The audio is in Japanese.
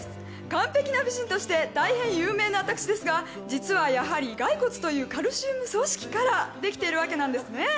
完璧な美人として大変有名な私ですが実はやはり骸骨というカルシウム組織からできているわけなんですね。